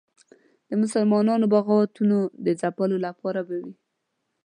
د مسلمانانو بغاوتونو د ځپلو لپاره به وي.